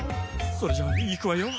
それじゃいくわよ。